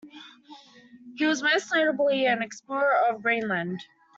He was most notably an explorer of Greenland.